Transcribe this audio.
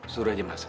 suruh aja mas ya